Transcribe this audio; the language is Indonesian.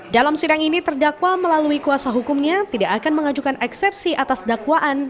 dalam sidang ini terdakwa melalui kuasa hukumnya tidak akan mengajukan eksepsi atas dakwaan